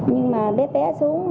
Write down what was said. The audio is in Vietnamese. nhưng mà bé té xuống